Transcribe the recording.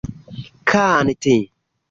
kanti